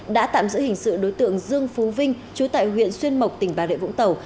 đã tạm giữ hình sự đối tượng dương phú vinh chú tại huyện xuyên mộc tỉnh bà rịa vũng tàu